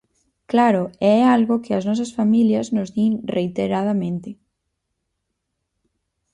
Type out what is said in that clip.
Claro, e é algo que as nosas familias nos din reiteradamente.